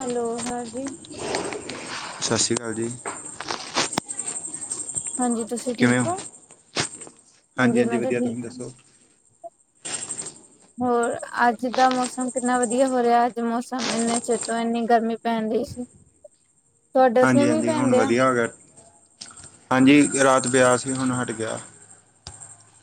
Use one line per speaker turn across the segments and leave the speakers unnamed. Hello ਹਾਂਜੀ
ਸਤਿ ਸ੍ਰੀ ਅਕਾਲ ਜੀ
ਹਾਂਜੀ ਤੁਸੀਂ ਠੀਕ ਹੋ, ਹਾਂਜੀ ਮੈਂ ਤੇ
ਵਧੀਆ ਤੁਸੀਂ
ਠੀਕ ਹਾਂ
ਦੱਸੋ
ਹੋਰ ਅੱਜ ਦਾ ਮੌਸਮ ਕਿੰਨਾ ਵਧੀਆ ਹੋ ਰਿਹਾ ਅੱਜ ਮੌਸਮ ਇੰਨੇ ਚਿਰ ਤੋਂ ਇੰਨੀ ਗਰਮੀ ਪੈਣ ਦਹੀ ਸੀ। ਤੁਹਾਡੇ ਇਥੇ
ਹਾਂਜੀ
ਵੀ
ਹਾਂਜੀ ਹੁਣ
ਪੈਂਦੇ ਆ।
ਵਧੀਆ ਹੋ ਗਿਆ ਹਾਂਜੀ ਰਾਤ ਪਿਆ ਸੀ ਹੁਣ ਹਟ ਗਿਆ।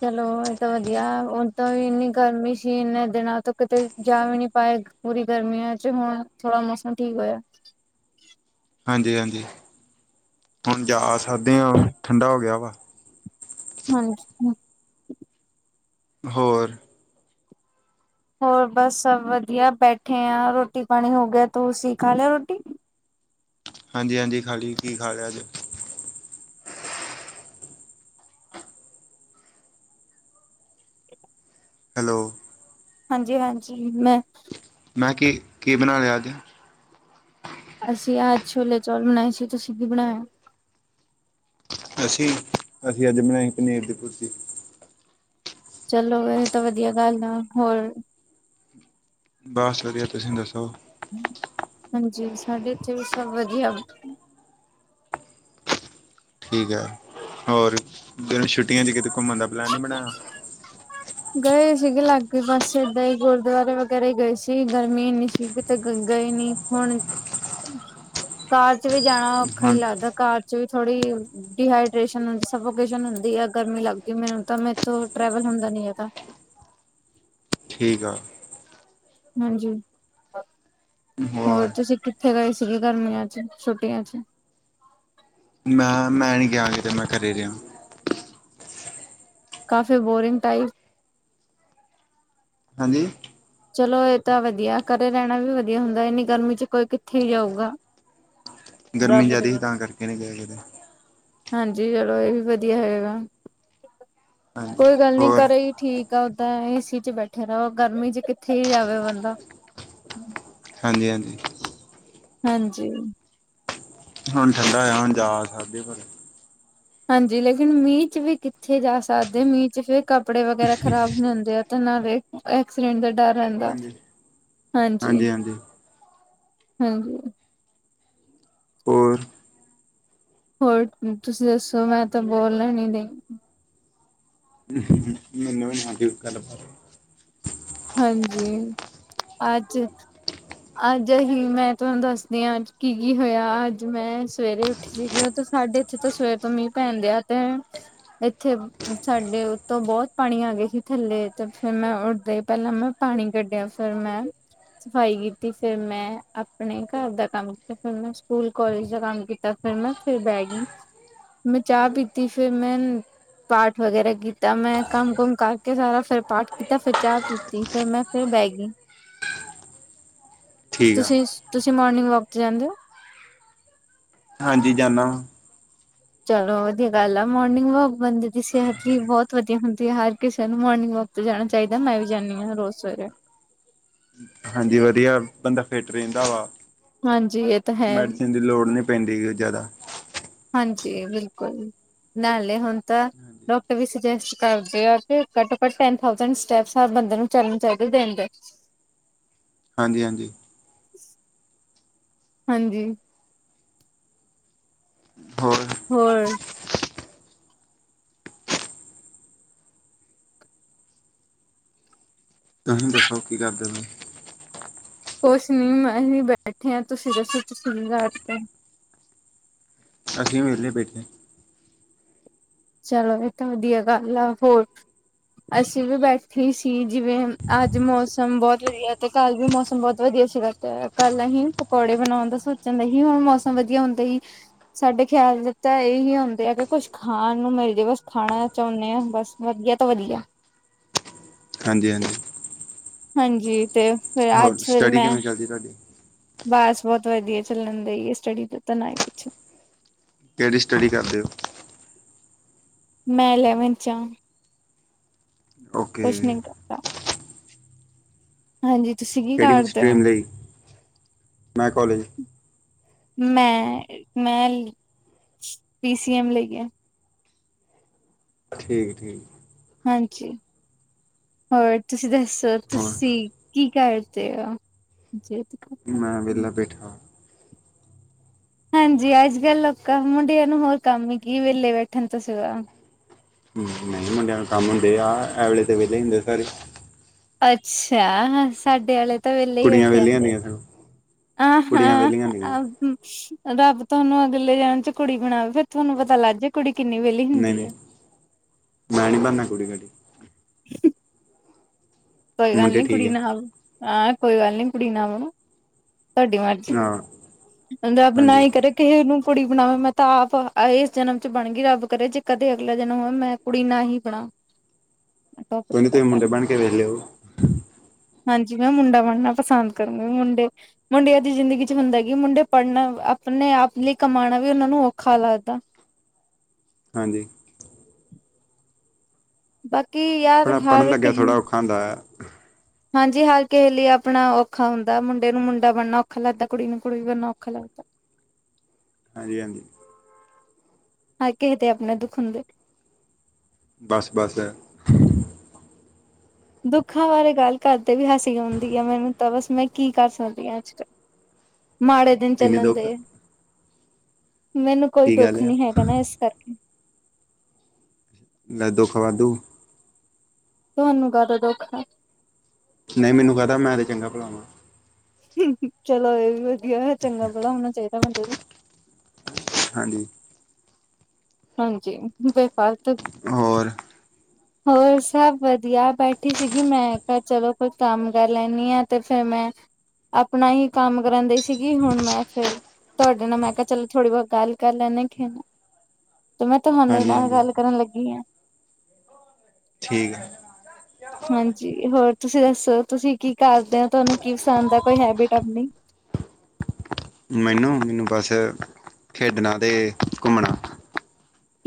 ਚਲੋ ਏਹ ਤਾਂ ਵਧੀਆ ਹੁਣ ਤਾਂ ਵੀ ਇੰਨੀ ਗਰਮੀ ਸੀ ਇਨੇ ਦਿਨਾਂ ਤੋਂ ਕਿਤੇ ਜਾਂ ਵੀ ਨੀ ਪਾਏ। ਪੂਰੀ ਗਰਮੀਆਂ ਚ ਹੁਣ ਥੋੜਾ ਮੌਸਮ ਠੀਕ ਹੋਇਆ।
ਹਾਂਜੀ ਹਾਂਜੀ ਹੁਣ ਜਾ ਸਕਦੇ ਹਾਂ ਠੰਡਾ ਹੋ ਗਿਆ ਵਾ।
ਹਾਂਜੀ ਹੂੰ।
ਹੋਰ।
ਹੋਰ ਬਸ ਸਭ ਵਧੀਆ ਬੈਠੇ ਆ ਰੋਟੀ ਪਾਣੀ ਹੋ ਗਿਆ ਤੁਸੀਂ ਖਾ ਲਿਆ ਰੋਟੀ।
ਹਾਂਜੀ ਹਾਂਜੀ ਖਾਲੀ ਕੀ ਖਾ ਲਿਆ ਅੱਜ।
[unintelligible]
ਹੈਲੋ।
ਹਾਂਜੀ ਹਾਂਜੀ ਮੈਂ।
ਮੈਂ ਕਿਹਾ ਕੀ ਬਣਾ ਲਿਆ ਅੱਜ।
ਅਸੀਂ ਆਹ ਛੋਲੇ ਚੌਲ ਬਣਾਏ ਸੀ ਤੁਸੀਂ ਕੀ ਬਣਾਇਆ?
ਅਸੀਂ ਅਸੀਂ ਅੱਜ ਬਣਾਈ ਪਨੀਰ ਦੀ ਭੁਰਜੀ।
ਚਲੋ ਵ ਤਾਂ ਵਧੀਆ ਗੱਲ ਆ ਹੋਰ
ਬਸ ਵਧੀਆ ਤੁਸੀਂ ਦੱਸੋ?
ਹਾਂਜੀ ਸਾਡੇ ਇਥੇ ਵੀ ਸਭ ਵਧੀਆ।
ਠੀਕ ਹੈ ਹੋਰ ਜਨ ਛੁੱਟੀਆਂ ਚ ਕਿਤੇ ਘੁੰਮਣ ਦਾ ਪਲੈਨ ਨੀ ਬਣਾਇਆ?
ਗਏ ਸੀਗੇ ਲਾਗੇ ਪਾਸੇ ਇਏਦਾਂ ਹੀ ਗੁਰਦੁਆਰੇ ਵਗੈਰਾ ਹੀ ਗਏ ਸੀ ਗਰਮੀ ਇੰਨੀ ਸੀ। ਤੇ ਗਏ ਨੀ ਹੁਣ ਕਾਰ ਚ ਵੀ ਜਾਣਾ ਔਖਾ ਹੀ
ਹੁਣ
ਲੱਗਦਾ ਕਾਰ ਚ ਵੀ ਥੋੜੀ ਡੀਹਾਈਡੇਸ਼ਨ ਹ ਸਸ਼ਨ ਹੁੰਦੀ ਆ ਗਰਮੀ ਲੱਗ ਕੇ ਮੈਨੂੰ ਤਾਂ ਮੈਂ ਇਥੋਂ ਟਰੈਵਲ ਹੁੰਦਾ ਨੀ ਹੈ। ਤਾਂ।
ਠੀਕ ਆ।
ਹਾਂਜੀ ਹੋਰ ਤੁਸੀਂ ਕਿ। ਕਿੱਥੇ ਗਏ ਸੀਗੇ ਗਰਮੀਆਂ ਚ ਛੁਟੀਆਂ ਚ।
ਮੈਂ ਮੈਂ ਨੀ ਗਿਆ ਜ ਮੈਂ ਘਰੇ ਰਿਹਾ।
ਕਾਫੀ ਬੋਰਿੰਗ ਟਾਈਪ।
ਹਾਂਜੀ।
ਚਲੋ ਇਹ ਤਾਂ ਵਧੀਆ ਘਰੇ ਰਹਿਣਾ ਵੀ ਵਧੀਆ ਹੁੰਦਾ ਇੰਨੀ ਗਰਮੀ ਚ ਕੋਈ ਕਿੱਥੇ ਹੀ ਜਾਊਗਾ।
ਗਰਮੀ
ਰੱਬ ਦੇ
ਜ਼ਿਆਦਾ ਸੀ ਤਾਂ ਕਰਕੇ ਨੀਂ ਗਏ ਕਿਤੇ।
ਹਾਂਜੀ ਚਲੋ ਇਹ ਵੀ ਵਧੀਆ ਹੈਗਾ
ਹਾਂਜੀ
ਕੋਈ ਗੱਲ ਨੀ।
ਹੋਰ
ਘਰੇ ਹੀ ਠੀਕ ਆ ਉੱਦਾਂ ਏ ਸੀ ਚ ਬੈਠੇ ਰਹੋ ਗਰਮੀ ਚ ਕਿੱਥੇ ਹੀ ਜਾਵੇ ਬੰਦਾ।
ਹਾਂਜੀ ਹਾਂਜੀ।
ਹਾਂਜੀ
ਹੁਣ ਠੰਡਾ ਹੋਇਆ ਹੁਣ ਜਾ ਸਕਦੇ ਪਰ।
ਹਾਂਜੀ ਲੇਕਿਨ ਮੀਂਹ ਚ ਵੀ ਕਿੱਥੇ ਜਾ ਸਕਦੇ ਮੀਂਹ ਚ ਫਿਰ ਕੱਪੜੇ ਵਗੈਰਾ ਖ਼ਰਾਬ ਨਹੀਂ ਹੁੰਦੇ ਆ ਨਾਲ ਐਕਸੀਡੈਂਟ ਦਾ ਡਰ ਰਹਿੰਦਾ
ਹਾਂਜੀ
ਹਾਂਜੀ। ਹਾਂਜੀ
ਔਰ
ਹੋਰ ਤੁਸੀਂ ਦੱਸੋ ਮੈਂ ਤਾਂ ਬੋਲ ਨ ਡਈ
ਮਨ ੱਲ
ਹਾਂਜੀ ਅੱਜ ਅੱਜ ਅਸੀਂ ਮੈਂ ਤੁਹਾਨੂੰ ਦੱਸਦੀ ਹਾਂ ਅੱਜ ਕੀ ਕੀ ਹੋਇਆ ਅੱਜ ਮੈਂ ਸਵੇਰੇ ਉ ਬੈਠੇ ਸੀਗੀ ਉਹ ਤੇ ਸਾਡੇ ਇੱਥੇ ਤਾਂ ਸਵੇਰ ਤੋਂ ਮੀਂਹ ਪੈਣਦੇ ਆ ਤੇ ਇੱਥੇ ਸਾਡੇ ਉੱਤੋਂ ਬਹੁਤ ਪਾਣੀ ਆ ਗਏ ਸੀ ਥੱਲੇ ਤੇ ਫੇਿਰ ਮੈਂ ਉੱਡਦੇ ਪਹਿਲਾਂ ਮੈਂ ਪਾਣੀ ਕੱਢਿਆ ਫਿਰ ਮੈਂ ਸਫ਼ਾਈ ਕੀਤੀ। ਫਿਰ ਮੈਂ ਆਪਣੇ ਘਰ ਦਾ ਕੰਮ ਕੀਤਾ ਫਿਰ ਮੈਂ ਸਕੂਲ ਕਾਲਜ ਦਾ ਕੰਮ ਕੀਤਾ। ਫਿਰ ਮੈਂ ਫਿਰ ਬਹਿ ਗਈ ਮੈਂ ਚਾਹ ਪੀਤੀ ਫਿਰ ਮੈਂ ਪਾਠ ਵਗੈਰਾ ਕੀਤਾ ਮੈਂ ਕੰਮ ਕੁੁੰਮ ਕਰਕੇ ਸਾਰਾ ਫਿਰ ਪਾਠ ਕੀਤਾ ਫਿਰ ਚਾਹ ਪੀ ਫੇਿਰ ਮੈਂ ਫੇਿਰ ਬਹਿ ਗਈ
ਠੀਕ ਆ
ਤੁਸੀਂ ਸ ਤੁਸੀਂ ਮੋਰਨਿੰਗ ਵੌਕ ਤੇ ਜਾਂਦੇ ਓ?
ਹਾਂਜੀ ਜਾਨਾ ਵਾਂ।
ਚਲੋ ਵਧੀਆ ਗੱਲ ਆ। ਮੋਰਨਿੰਗ ਵੌਕ ਬੰਦੇ ਦੀ ਸਿਹਤ ਲਈ ਬਹੁਤ ਵਧੀਆ ਹੁੰਦੀ ਐ, ਹਰ ਕਿਸੇ ਨੂੰ ਮੋਰਨਿੰਗ ਵੌਕ ਤੇ ਜਾਣਾ ਚਾਈਦਾ। ਮੈਂ ਵੀ ਜਾਂਨੀ ਆਂ, ਰੋਜ਼ ਸਵੇਰੇ।
ਹਾਂਜੀ ਵਧੀਆ ਬੰਦਾ ਫਿਟ ਰਹਿੰਦਾ ਵਾ।
ਹਾਂਜੀ ਇਹ ਤਾਂ ਹੈ
ਮੈਡੀਸਨ ਦੀ ਲੋੜ ਨੀ ਪੈਂਦੀ ਗੀ ਜਾਦਾ।
ਹਾਂਜੀ, ਬਿਲਕੁਲ। ਨਾਲੇ ਹੁਣ ਤਾਂ
ਹਾਂਜੀ
ਡੌਕਟਰ ਵੀ ਸਜੇਸਟ ਕਰਦੇ ਆ ਕਿ ਘੱਟੋ ਘੱਟ ਟੈੱਨ ਥਾਊਜੈ਼ਂਡ ਸਟੈੱਪਸ, ਹਰ ਬੰਦੇ ਨੂੰ ਚੱਲਣਾ ਚਾਈਦਾ ਦਿਣ ਦੇ ਇੱਚ।
ਹਾਂਜੀ ਹਾਂਜੀ।
ਹਾਂਜੀ।
ਹੋਰ
ਹੋਰ।
ਤੁਹੀਂ ਦੱਸੋ, ਕੀ ਕਰਦੇ ਤੁਹੀਂ?
ਕੁਛ ਨੀ ਮੈਂ-ਅਹੀਂ ਬੈਠੇ ਆਂ, ਤੁਸੀਂ ਦੱਸੋ ਤੁਸੀਂ ਕੀ ਕਰਦੇ?
ਅਸੀਂ ਵੀ ਵੇਲੇ ਬੈਠੇ।
ਚਲੋ, ਇਹ ਤਾਂ ਵਧੀਆ ਗੱਲ ਆ, ਹੋਰ। ਅਸੀਂ ਵੀ ਬੈਠੇ ਈ ਸੀ, ਜਿਵੇਂ ਅੱਜ ਮੌਸਮ ਬਹੁਤ ਵਧੀਆ ਤੇ ਕੱਲ੍ਹ ਵੀ ਮੌਸਮ ਬਹੁਤ ਵਧੀਆ ਸੀਗਾ। ਤੇ ਕੱਲ ਅਹੀਂ ਪਕੌੜੇ ਬਣਾਉਣ ਦਾ ਸੋਚਣ ਦੇ ਹੀ। ਹੁਣ ਮੌਸਮ ਵਧੀਆ ਹੁੰਦੇ ਈ ਸਾਡੇ ਖਿਆਲ ਵਿ ਤਾਂ ਇਹੀ ਆਉਂਦੇ ਆ ਕਿ ਕੁਛ ਖਾਣ ਨੂੰ ਮਿਲ ਜੇ ਬਸ, ਖਾਣਾ ਚਾਉਨੇ ਆਂ ਬਸ, ਵਧੀਆ ਤੋਂ ਵਧੀਆ।
ਹਾਂਜੀ ਹਾਂਜੀ।
ਹਾਂਜੀ, ਤੇ ਫਿਰ ਅੱਜ
ਹੋਰ
ਫਿਰ
ਸਟੱਡੀ
ਮੈਂ
ਕਿਵੇਂ ਚੱਲਦੀ ਤੁਹਾਡੀ
ਬਸ, ਬਹੁਤ ਵਧੀਆ ਚੱਲਣ ਡਈਏ ਸਟੱਡੀ ਦਾ ਤਾਂ ਨਾ ਹੀ ਪੁੱਛੋ।
ਕਿਹੜੀ ਸਟੱਡੀ ਕਰਦੇਓ?
ਮੈਂ ਇਲੈਵਨਥ'ਚ ਆਂ।
ਓਕੇ
ਕੁਛ ਨੀ ਕਰਦਾ, ਹਾਂਜੀ। ਤੁਸੀਂ ਕੀ
ਕਿਹੜੀ
ਕਰਦੇਓ?
ਸਟਰੀਮ ਲਈ ਮੈਂ ਕੋਲਜ
ਮੈਂ ਮੈਂ ਪੀਸੀਐਮ ਲਈਏ।
ਠੀਕ।
ਹਾਂਜੀ, ਹੋਰ ਤੁਸੀਂ ਦੱਸੋ
ਹੋਰ
ਤੁਸੀਂ ਕੀ ਕਰਦੇਓ? [unintelligible]
ਮੈਂ ਵੇਹਲਾ ਬੈਠਾ।
ਹਾਂਜੀ, ਅੱਜ-ਕੱਲ ਲੋਕਾਂ ਮੁੰਡਿਆਂ ਨੂੰ ਹੋਰ ਕੰਮ ਹੀ ਕੀ ਵੇਲੇ ਬੈਠਣ ਤੋਂ ਸਿਵਾ।
ਹਮ, ਮੁੰਡਿਆਂ ਨੂੰ ਕੰਮ ਹੁੰਦੇ ਆ, ਐ ਵਾਲੇ ਤੇ ਵੇਹਲੇ ਹੀ ਹੁੰਦੇ ਸਾਰੇ।
ਅੱਛਾ, ਸਾਡੇ ਆਲੇ ਤਾਂ ਵੇਹਲੇ ਹੀ
ਕੁੜੀਆਂ
ਬੈਠੇ
ਵਿਹਲੀਆਂ
ਰਹਿੰਦੇ ਆ।
ਹੁੰਦੀਆਂ ਸਗੋਂ
ਆਂ
ਕੁੜੀਆਂ
ਹਾਂ,
ਵਿਹਲੀਆਂ ਹੁੰਦੀਆਂ
ਆ ਰੱਬ ਤੁਹਾਨੂੰ ਅਗਲੇ ਜਨਮ 'ਚ ਕੁੜੀ ਬਣਾਵੇ, ਫੇਰ ਥੋਨੂੰ ਪਤਾ ਲੱਗ ਜੇ। ਕੁੜੀ ਕਿੰਨੀ ਵੇਲੀ ਹੁੰਦੀਏ।
ਮੈ ਨੀ ਬਣਨਾ ਕੁੜੀ-ਕਾੜੀ।
[inaudible] ਕੋਈ ਗੱਲ
ਮੁੰਡੇ
ਨੀ ਕੁੜੀ
ਠੀਕ ਆ
ਨਾ, ਆਂ ਕੋਈ ਗੱਲ ਨੀ ਕੁੜੀ ਨਾ ਬਣੋ ਤੁਆਡੀ ਮਰਜ਼
ਹਾਂ
ਰੱਬ
ਹਾਂਜੀ
ਨਾਈਂ ਕਰੇ। ਕਿਹੇ ਨੂੰ ਪੁੜੀ ਬਣਾਵੇ, ਮੈਂ ਤਾਂ ਆਪ ਇਸ ਜਨਮ ਚ ਬਣ ਗਈ। ਰੱਬ ਕਰੇ ਜੇ ਕਦੇ ਅਗਲਾ ਜਨਮ ਹੋਵੇ ਮੈਂ ਕੁੜੀ ਨਾ ਹੀ ਬਣਾ।
ਕੋਈ
ਟੋਪਿਕ
ਨਾ ਤੁਹੀਂ
ਕਰਦਾ
ਮੂੰਡੇ ਬਣ ਕੇ ਵੇਖ ਲੇਓ।
ਹਾਂਜੀ, ਮੈਂ ਮੁੰਡਾ ਬਣਨਾ ਪਸੰਦ ਕਰੂੰਗੀ, ਮੁੰਡੇ ਮੁੰਡਿਆਂ ਦੀ ਜ਼ਿੰਦਗੀ 'ਚ ਹੁੰਦਾ, ਕਿ ਮੁੰਡੇ ਪੜ੍ਹਨ ਆਪਣੇ ਆਪ ਲਈ ਕਮਾਣਾ ਵੀ ਓਨਾਂ ਨੂੰ ਔਖਾ ਲੱਗਦਾ।
ਹਾਂਜੀ।
ਬਾਕੀ ਯਾਰ
ਪੜ੍ਹ ਪੜ੍ਹਨ
ਹਰ
ਲੱਗਿਆ
ਕਿਸੇ
ਥੜ੍ਹਾ ਔਖਾ ਹੋਂਦਾ ਯਾਂ।
ਹਾਂਜੀ, ਹਰ ਕਿਹੇ ਲਈ ਆਪਣਾ ਔਖਾ ਹੁੰਦਾ, ਮੁੰਡੇ ਨੂੰ ਮੁੰਡਾ ਬਣਨਾ ਔਖਾ ਲੱਗਦਾ, ਕੁੜੀ ਨੂੰ ਕੁੜੀ ਬਣਨਾ ਔਖਾ ਲੱਗਦਾ। [inaudible]
ਹਾਂਜੀ-ਹਾਂਜੀ।
ਹਾਂ, ਕਿਸੇ ਦੇ ਆਪਣੇ ਦੁਖ ਹੁੰਦੇ।
ਬਸ-ਬਸ,
ਦੁੱਖਾਂ ਬਾਰੇ ਗੱਲ ਘਰਦੇ ਵੀ ਹਸੀ ਹੁੰਦੀ ਆ, ਮੈਨੂੰ ਤਾਂ ਬਸ ਮੈਂ ਕੀ ਕਰ ਸਕਦੀ ਹਾਂ ਅੱਜ-ਕੱਲ ਮੇ ਦਿਨ
ਇੰਨੇ ਦੁੱਖ
ਚਲਦੇ‌ ਆ। ਮੈਨੂੰ ਕੋਈ
ਕੀ ਗੱਲ
ਦੁੱਖ
ਆ
ਨੀ ਹੈਗਾ, ਨਾ ਇਸ ਕਰਕੇ
ਲੈਦੋ ਖਵਾ ਦਉ
ਤੁਹਾਨੂੰ ਕਾਹਦਾ ਦੁਖ ਹੈ?
ਨਹੀਂ, ਮੈਨੂੰ ਕਹਿਦਾ ਮੈਂ ਤੇ ਚੰਗਾ ਭਲਾ ਵਾ‌।
ਚਲੋ, ਇਹ ਵੀ ਵਧੀਆ ਚੰਗਾ ਭਲਾ ਹੋਣਾ ਚਾਹੀਦਾ ਬੰਦੇ ਨੂੰ।
ਹਾਂਜੀ,
ਹਾਂਜੀ, ਬੇ ਫ਼ਾਲਤੂ
ਹੋਰ
ਹੋਰ ਸਭ ਵਧੀਆ ਬੈਠੀ ਸੀਗੀ, ਮੈਂ ਕਿਹਾ ਚਲੋ ਕੋਈ ਕੰਮ ਕਰ ਲੈਣੀ ਆਂ ਤੇ ਫਿਰ ਮੈਂ ਆਪਣਾ ਹੀ ਕੰਮ ਕਰਾਂਦੇ ਸੀ। ਸੀਗੀ, ਹੁਣ ਮੈਂ ਫਿਰ ਤੁਹਾਡੇ ਨਾਲ ਮੈਂ ਕਿਹਾ ਚਲੋ ਥੋੜ੍ਹੀ ਬਹੁਤ ਗੱਲ ਕਰ ਲੈਂਦੇੇ ਨਾ ਤੇ ਮੈਂ ਤੁਹਾਡੇ
ਹਾਂਜੀ
ਨਾਲ
ਹਾਂਜੀ
ਗੱਲ ਕਰਨ ਲੱਗੀ ਹਾਂ।
ਠੀਕ ਹੈ।
ਹਾਂਜੀ ਹੋਰ ਤੁਸੀਂ ਦੱਸੋ? ਤੁਸੀਂ ਕੀ ਕਰਦੇ ਹੋ, ਤੁਹਾਨੂੰ ਕੀ ਪਸੰਦ ਦਾ ਕੋਈ ਹੈਬਿਟ ਆਪਣੀ
ਮੈਨੂੰ, ਮੈਨੂੰ ਬੱਸ ਖੇਡਣਾ ਅਤੇ ਘੁੰਮਣਾ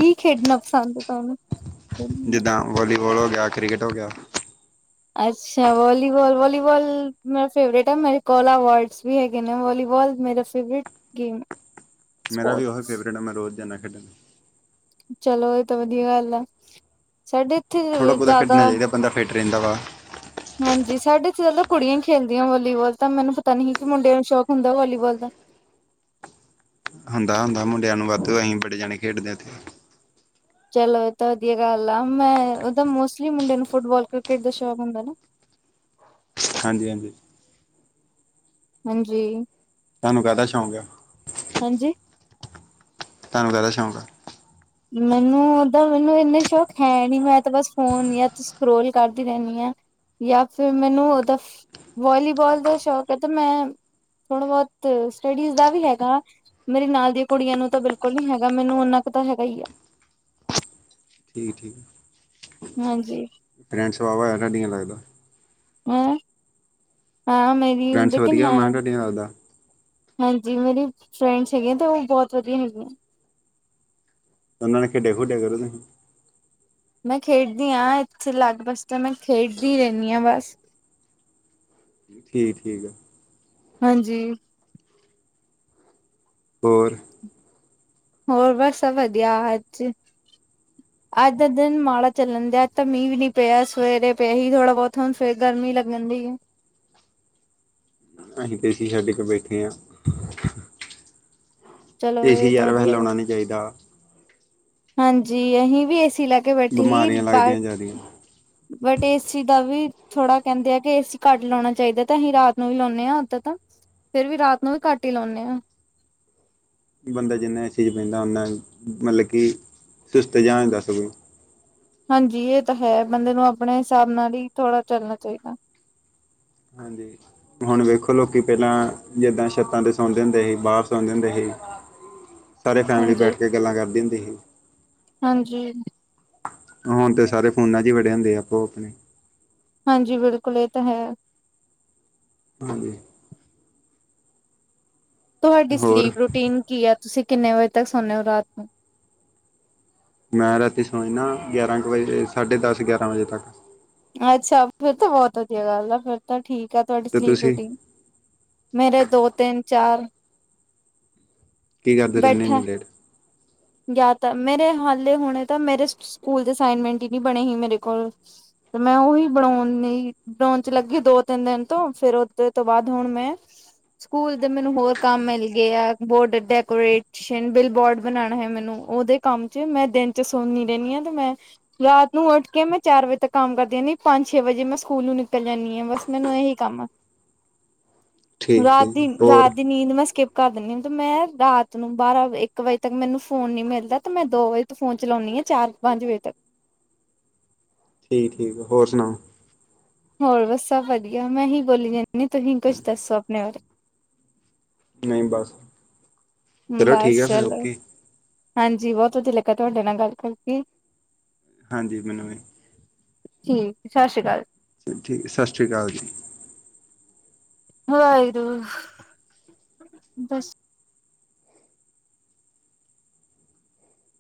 ਕੀ ਖੇਡਣਾ ਪਸੰਦ ਐ ਤੁਹਾਨੂੰ?
ਜਿੱਦਾਂ ਵਾਲੀਬਾਲ ਹੋ ਗਿਆ, ਕ੍ਰਿਕਟ ਹੋ ਗਿਆ।
ਅੱਛਾ, ਵਾਲੀਬਾਲ, ਵਾਲੀਬਾਲ ਮੇਰਾ ਫੇਵਰੇਟ ਆ ਮੇਰੇ ਕੋਲ ਅਵਾਰਡ ਵੀ ਹੈਗੇ ਨੇ ਵਾਲੀਬਾਲ ਮੇਰੇ ਸਿਵਟ ਗੇਮ
ਮੇਰਾ ਵੀ ਉਹੀ
ਸਪੋਰਟਸ
ਫੇਵਰੇਟ ਹੈ, ਮੈਂ ਰੋਜ਼ ਜਾਂਦਾ ਖੇਡਣ
ਚਲੋ, ਇਹ ਤਾਂ ਵਧੀਆ ਗੱਲ ਆ। ਸਾਡੇ ਇੱਥੇ
ਥੋੜਾਂ ਬਹੁਤ
ਜ਼ਿਆਦਾ
ਖੇਡਣਾ ਚਾਹੀਦਾਂ ਬੰਦਾ ਫਿਟ ਰਹਿੰਦਾ ਵਾ।
ਹਾਂਜੀ, ਸਾਡੇ ਚ ਚਦੋਂ ਕੁੜੀਆਂ ਹੀ ਖੇਲਦੀਆਂ ਵਾਲੀਬਾਲ ਤਾਂ ਮੈਨੂੰ ਪਤਾ ਨੀ ਕਿ ਮੁੰਡਿਆਂ ਨੂੰ ਸ਼ੌਕ ਹੁੰਦਾ ਵਾਲੀਬਾਲ ਦਾ?
ਹੁੰਦਾ, ਹੁੰਦਾ ਮੁੰਡਿਆਂ ਨੂੰ ਵੱਧ ਅਸੀਂ ਬੜੇ ਜਾਣੇ ਖੇਡਦੇ ਹੁਣੇ
ਚਲੋ ਇਹ ਤਾਂ ਵਧੀਆ ਗੱਲ ਆ, ਮੈਂ ਉਹਦਾ ਮੋਸਟਲੀ ਮੁੰਡੇ ਨੂੰ ਫੁੱਟਬਾਲ, ਕ੍ਰਿਕਟ ਦਾ ਸ਼ੌਕ ਹੁੰਦਾ ਨਾ।
ਹਾਂਜੀ-ਹਾਂਜੀ।
ਹਾਂਜੀ।
ਤੁਹਾਨੂੰ ਕਾਹਦਾ ਸ਼ੌਂਕ ਆ
ਹਾਂਜੀ,
ਤੁਹਾਨੂੰ ਕਾਹਦਾ ਸ਼ੌਂਕ ਆ?
ਮੈਨੂੰ ਉਦਾ ਮੈਨੂੰ ਇੰਨੇ ਸ਼ੌਕ ਹੈ ਨੀ, ਮੈਂ ਤਾਂ ਬੱਸ ਫੋਨ ਜਾ ਸਕਰੋਲ ਕਰਦੀ ਰਹਿੰਦੀ ਹਾਂ, ਜਾਂ ਫਿਰ ਮੈਨੂੰ ਉਹਦਾ ਵਾਲੀਬਾਲ ਦਾ ਸ਼ੌਕ ਹੈ, ਤੇ ਮੈਂ ਥੋੜ੍ਹਾ ਬਹੁਤ ਸਟਡੀਜ਼ ਦਾ ਵੀ ਹੈਗਾ। ਮੇਰੇ ਨਾਲ ਦੀਆਂ ਕੁੜੀਆਂ ਨੂੰ ਤਾਂ ਬਿਲਕੁੱਲ ਨੀ ਹੈਗਾ, ਮੈਨੂੰ ਓਨਾ ਕੁ ਤਾਂ ਹੈਗਾ ਹੀ ਹੈ।
[unintelligible]
ਹਾਂਜੀ,
ਰੈਂਟ ਸਭਾਵਾ ਆ ਲੱਗਦਾ [unintelligible]
ਹੈ, ਹਾਂ ਮੇਂ ਵੀ ਉੰਦੇ ਕੋਲ ਜਾਨਾ ਹੈ।
ਦਾ [unintelligible]
ਹਾਂਜੀ ਮੇਰੀ ਫਰੈਂਡਸ ਹੈਗੀਆਂ, ਤੇ ਉਹ ਬਹੁਤ ਵਧੀਆ ਹੈਗੀਆਂ।
ਉਹਨਾਂ ਨਾਲ ਖੇਡੀਆਂ ਖੁਡੀਆਂ ਕਰੋ ਤੁਸੀਂ
ਮੈਂ ਖੇਡਦੀ ਹਾਂ ਇੱਥੇ ਅਲੱਗ ਬੱਸ ਤਾਂ ਮੈਂ ਖੇਡਦੀ ਰਹਿੰਦੀ ਹਾਂ ਬੱਸ
ਠੀਕ-ਠੀਕ ਆ।
ਹਾਂਜੀ,
ਹੋਰ?
ਹੋਰ ਬਸ ਵਧੀਆ ਅੱਜ ਅੱਜ ਦਾ ਦਿਨ ਮਾੜਾ ਚੱਲਣ ਡਿਆ ਅੱਜ ਤਾਂ ਮੀਂਹ ਵੀ ਨੀ ਪਿਆ ਸਵੇਰੇ ਪਿਆ ਹੀ ਥੋੜਾ ਬਹੁਤ ਹੁਣ ਫਿਰ ਗਰਮੀ ਲੱਗਣ ਦੀ
ਆਈ ਤੇ ਸਾਡੀਆਂ ਕਮੇਟੀਆਂ ਹਾਂ।
ਚਲੋ ਇਹ
ਤੇਜੀ
ਤਾਂ
ਯਾਰ ਵੈਲ
ਵਧੀਆ ਗੱਲ
ਆਣਾ ਨਹੀਂ ਚਾਹੀਦਾ
ਹਾਂਜੀ ਅਸੀਂ ਵੀ ਏਸੀ ਲਾ ਕੇ ਬੈਠੇ ਸੀ
ਬਿਮਾਰੀਆਂ
ਬਾਹਰ
ਲੱਗਦੀਆਂ ਜ਼ਿਆਦੀਆਂ
ਬਟ ਏਸੀ ਦਾ ਵੀ ਥੋੜਾ ਕਹਿੰਦੇ ਆ ਕਿ ਏਸੀ ਘੱਟ ਲਾਉਣਾ ਚਾਹੀਦਾ ਤੇ ਅਸੀਂ ਰਾਤ ਨੂੰ ਵੀ ਲਾਉਂਦੇ ਹਾਂ ਉਦਾਂ ਤਾਂ ਫਿਰ ਵੀ ਰਾਤ ਨੂੰ ਵੀ ਘੱਟ ਹੀ ਲਾਉਂਦੇ ਆਂ
ਬੰਦਾ ਜਿੰਨਾ ਇਸ ਚੀਜ਼ ਬਹਿੰਦਾ ਉਨਾ ਮਤਲਬ ਕਿ ਸੁੱਸਤ ਜਿਹਾ ਸਗੋਂ
ਹਾਂਜੀ ਇਹ ਤਾਂ ਹੈ ਬੰਦੇ ਨੂੰ ਆਪਣੇ ਹਿਸਾਬ ਨਾਲ ਹੀ ਥੋੜਾ ਚੱਲਣਾ ਚਾਹੀਦਾ
ਹਾਂਜੀ ਹੁਣ ਵੇਖੋ ਲੋਕੀ ਪਹਿਲਾਂ ਜਿੱਦਾਂ ਛੱਤਾਂ ਤੇ ਸੌਂਦੇ ਹੁੰਦੇ ਸੀ ਬਾਹਰ ਸੌਂ ਜਾਂਦੇ ਸੀ।
[inaudible]
ਸਾਰੀ ਫੈਮਲੀ ਬੈਠ
ਹਾਂਜੀ।
ਕੇ ਗੱਲਾਂ ਕਰਦੀ ਹੁੰਦੀ ਸੀ।
ਹਾਂਜੀ
ਹੁਣ ਤੇ ਸਾਰੇ ਫੋਨਾਂ ਚ ਹੀ ਵੜੇ ਹੁੰਦੇ ਆਪੋ ਆਪਣੇ
ਹਾਂਜੀ ਬਿਲਕੁਲ ਇਹ ਤਾਂ ਹੈ।
ਹਾਂਜੀ
ਤੁਹਾਡੀ
ਹੋਰ
ਸਲੀਪ ਰੂਟੀਨ ਕੀ ਆ ਤੁਸੀਂ ਕਿੰਨੇ ਵਜੇ ਤੱਕ ਸੌਦੇ ਹੋ ਰਾਤ ਨੂੰ
ਮੈਂ ਰਾਤੀ ਸੋ ਜਾਨਾ ਗਿਆਰਾਂ ਕੁ ਵਜੇ ਸਾਢੇ ਦਸ ਗਿਆਰਾਂ ਵਜੇ ਤੱਕ
ਅੱਛਾ ਫਿਰ ਤਾਂ ਬਹੁਤ ਵਧੀਆ ਗੱਲ ਆ ਫਿਰ ਤਾਂ ਠੀਕ ਆ ਤੁਹਾਡੀ
ਤੇ
ਸਲੀਪ
ਤੁਸੀਂ
ਰੂਟੀਨ ਮੇਰੇ ਦੋ ਤਿੰਨ ਚਾਰ
ਕੀ ਕਰਦੇ ਰਹਿੰਦੇ ਇੰਨੀ ਲੇਟ
ਗਿਆ ਤਾਂ ਮੇਰੇ ਹਾਲੇ ਹੁਣੇ ਤਾਂ ਮੇਰੇ ਸਕੂਲ ਦੇ ਅਸਾਈਨਮੈਂਟ ਹੀ ਨਹੀਂ ਬਣੇ ਹੀ ਮੇਰੇ ਕੋਲ ਤੇ ਮੈਂ ਉਹੀ ਬਣਾਉਣ ਲਈ ਬਣਾਉਣ ਚ ਲੱਗੀ ਦੋ ਤਿੰਨ ਦਿਨ ਤੋਂ ਫਿਰ ਉਹਦੇ ਤੋਂ ਬਾਅਦ ਹੁਣ ਮੈਂ ਸਕੂਲ ਦੇ ਮੈਨੂੰ ਹੋਰ ਕੰਮ ਮਿਲ ਗਏ ਆ ਬੋਰਡ ਡੈਕੋਰੇਸ਼ਨ [unintelligible] ਬੋਰਡ ਬਣਾਣਾ ਹੈ ਮੈਨੂੰ ਉਹਦੇ ਕੰਮ ਚ ਮੈਂ ਦਿਨ ਚ ਸੁਣਨੀ ਰਹਿੰਦੀ ਹਾਂ ਤੇ ਮੈਂ ਰਾਤ ਨੂੰ ਉੱਠ ਕੇ ਮੈਂ ਚਾਰ ਵਜੇ ਤੱਕ ਕੰਮ ਕਰਦੀ ਰਹਿੰਦੀ ਪੰਜ ਛੇ ਵਜੇ ਮੈਂ ਸਕੂਲ ਨੂੰ ਨਿਕਲ ਜਾਂਦੀ ਹਾਂ ਬਸ ਮੈਨੂੰ ਇਹੀ ਕੰਮ ਆ
ਠੀਕ
ਰਾਤ
ਠੀਕ
ਦੀ
ਹੋਰ
ਰਾਤ ਦੀ ਨੀਂਦ ਮੈਂ ਸਕਿਪ ਕਰ ਦਿੰਦੀ ਹਾਂ ਤੇ ਮੈਂ ਰਾਤ ਨੂੰ ਬਾਰਾਂ ਇੱਕ ਵਜੇ ਤੱਕ ਮੈਨੂੰ ਫ਼ੋਨ ਨਹੀਂ ਮਿਲਦਾ ਤਾਂ ਮੈਂ ਦੋ ਵਜੇ ਤੋਂ ਫੋਨ ਚਲਾਉਂਦੀ ਹਾਂ ਚਾਰ ਪੰਜ ਵਜੇ ਤੱਕ
ਠੀਕ ਠੀਕ ਆ ਹੋਰ ਸੁਣਾਓ
ਹੋਰ ਬਸ ਸਭ ਵਧੀਆ ਮੈਂ ਹੀ ਬੋਲੀ ਜਾਂਦੀ ਤੁਸੀਂ ਕੁਝ ਦੱਸੋ ਆਪਣੇ ਬਾਰੇ
ਨਹੀਂ ਬਸ ਚਲੋ ਠੀਕ ਆ
ਬਸ
ਫਿਰ
ਚਲੋ
ਓਕੇ
ਹਾਂਜੀ ਬਹੁਤ ਵਧੀਆ ਲੱਗਾ ਤੁਹਾਡੇ ਨਾਲ ਗੱਲ ਕਰਕੇ
ਹਾਂਜੀ ਮੈਨੂੰ ਵੀ
ਸੱਚੀ ਸਤਿ ਸ਼੍ਰੀ ਅਕਾਲ
ਚੱਲ ਠੀਕ ਸਤਿ ਸ਼੍ਰੀ ਅਕਾਲ ਜੀ
ਹਾਏ ਰੋ ਬੱਸ